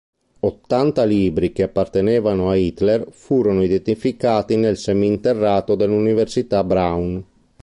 Ottanta libri che appartenevano a Hitler furono identificati nel seminterrato dell'Università Brown.